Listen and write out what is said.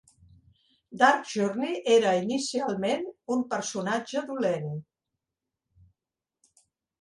Dark Journey era inicialment era un personatge dolent.